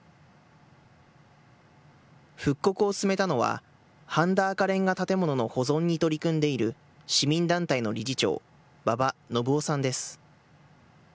復刻を進めたのは、半田赤レンガ建物の保存に取り組んでいる市民団体の理事長、馬場信雄さんです。